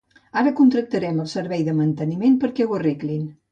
Ara contactarem al servei de manteniment perquè ho arreglin.